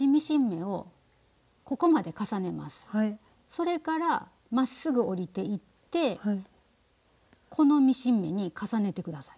それからまっすぐ下りていってこのミシン目に重ねて下さい。